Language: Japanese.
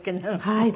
はい。